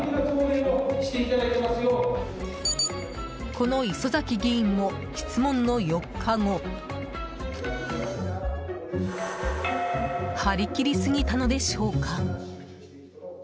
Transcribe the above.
この磯崎議員も質問の４日後張り切りすぎたのでしょうか？